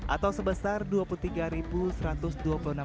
atau sebesar dua puluh tiga persen